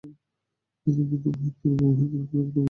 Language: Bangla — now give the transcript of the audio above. ইতিমধ্যে মহেন্দ্রের মা মহেন্দ্রকে এক লোভনীয় পত্র পাঠাইয়া দিয়াছেন।